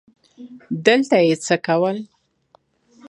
دلته یې څه کول ؟